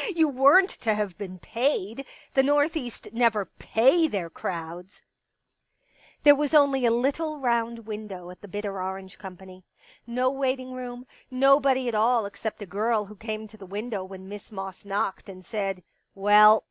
"Oh, you weren't to have been paid. The North East never /)fly their crowds." There was only a little round window at the Bitter Orange Company. No waiting room — 167 Pictures nobody at all except a girl, who came to the window when Miss Moss knocked, and said :" Well